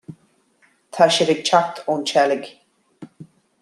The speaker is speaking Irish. tá siad ag teacht ón tseilg